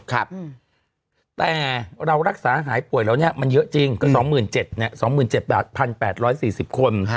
แต่เรารักษาหายป่วยแล้วเนี่ยมันเยอะจริงคือ๒๗๐๒๗บาท๑๘๔๐คน